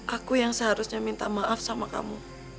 aku yang seharusnya minta maaf sama kamu